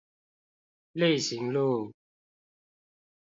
力行路